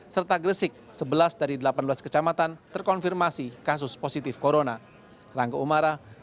serta gresik sebelas dari delapan belas kecamatan terkonfirmasi kasus positif corona